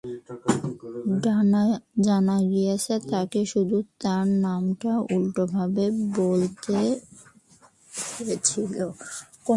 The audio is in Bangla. জানা গিয়েছে, তাকে শুধু তার নামটা উল্টোভাবে বলতে হয়েছিল।